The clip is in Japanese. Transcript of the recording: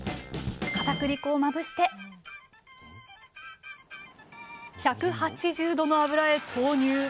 かたくり粉をまぶして１８０℃の油へ投入！